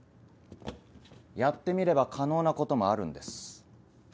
やってみれば可能なこともあるんです。